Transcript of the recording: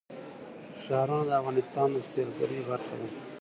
ښارونه د افغانستان د سیلګرۍ برخه ده.